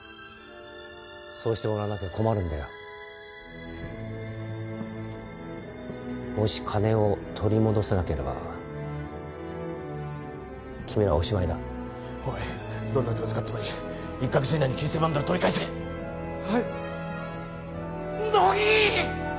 そうしてもらわなきゃ困るんだよもし金を取り戻せなければ君らはおしまいだおいどんな手を使ってもいい１か月以内に９千万ドル取り返せはい乃木！